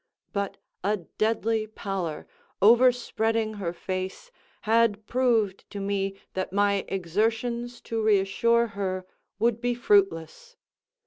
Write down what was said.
But a deadly pallor, overspreading her face, had proved to me that my exertions to reassure her would be fruitless.